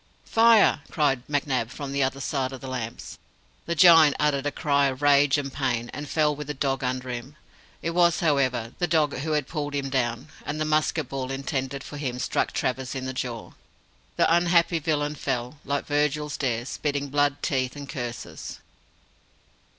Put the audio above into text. "Fire!" cried McNab from the other side of the lamps. The giant uttered a cry of rage and pain, and fell with the dog under him. It was, however, the dog who had pulled him down, and the musket ball intended for him struck Travers in the jaw. The unhappy villain fell like Virgil's Dares "spitting blood, teeth, and curses."